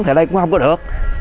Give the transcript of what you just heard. thì ở đây cũng không có được